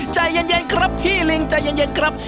ใจเย็นครับพี่ลิงใจเย็นครับ